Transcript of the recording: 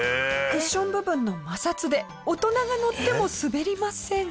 クッション部分の摩擦で大人が乗っても滑りません。